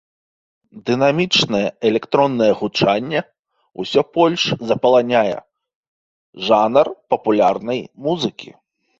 Дынамічнае электроннае гучанне ўсё больш запаланяе жанр папулярнай музыкі.